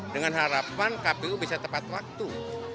dengan harapan kpu bisa tepat waktu